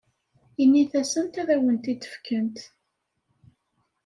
Init-asent ad awen-t-id-fkent.